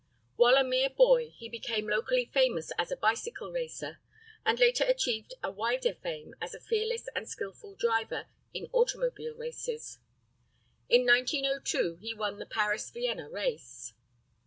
While a mere boy he became locally famous as a bicycle racer, and later achieved a wider fame as a fearless and skillful driver in automobile races. In 1902 he won the Paris Vienna race.